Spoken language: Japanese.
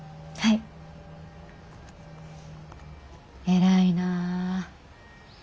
偉いなぁ。